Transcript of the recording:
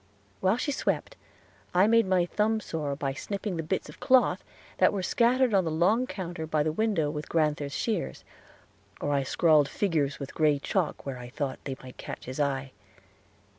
While she swept I made my thumb sore, by snipping the bits of cloth that were scattered on the long counter by the window with Grand'ther's shears, or I scrawled figures with gray chalk, where I thought they might catch his eye.